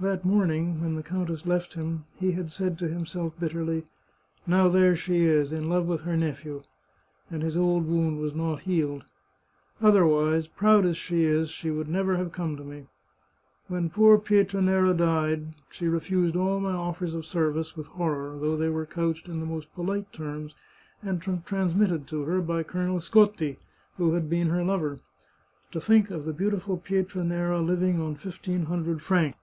That morning, when the countess left him, he had said to himself bitterly, " Now there she is, in love with her nephew !" and his old wound was not healed. " Otherwise, proud as she is, she would have never come to me. When poor Pietranera died she refused all my offers of service with horror, though they were couched in the most polite terms and transmitted to her by Colonel Scotti, who had been her lover. To think of the beautiful Pietranera living on fifteen hundred francs